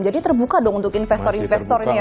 jadi terbuka dong untuk investor investor ini ya pak ya